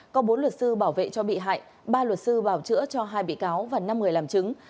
có bốn luật sư bảo vệ cho bị hại ba luật sư bảo chữa cho hai bị cáo và năm người làm chứng